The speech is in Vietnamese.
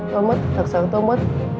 tôi mất thật sự tôi mất